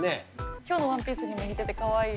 今日のワンピースにも似ててかわいい。